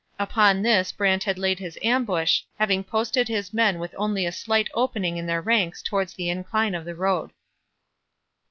Upon this Brant had laid his ambush, having posted his men with only a slight opening in their ranks towards the incline of the road.